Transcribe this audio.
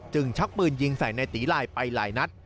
ชักปืนยิงใส่ในตีลายไปหลายนัด